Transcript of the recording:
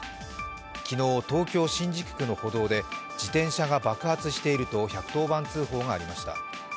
昨日、東京・新宿区の歩道で自転車が爆発していると１１０番通報がありました。